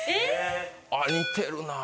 「似てるなあ」。